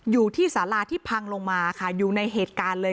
อยู่ที่สาราที่พังลงมาค่ะอยู่ในเหตุการณ์เลย